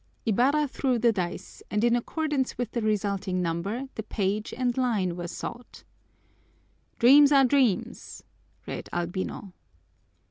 Ibarra threw the dice and in accordance with the resulting number the page and line were sought. "Dreams are dreams," read Albino.